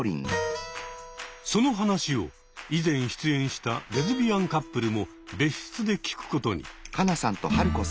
その話を以前出演したレズビアンカップルも別室で聞くことに。